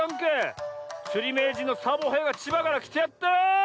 つりめいじんのサボへいがちばからきてやった。